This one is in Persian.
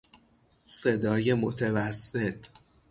صدای متوسط